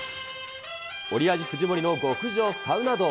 オリラジ・藤森の極上サウナ道。